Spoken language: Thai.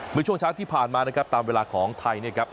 เมื่อช่วงเช้าที่ผ่านมานะครับตามเวลาของไทยเนี่ยครับ